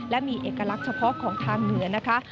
และมีเอกลักษณ์เฉพาะของทางเหนือนะคะ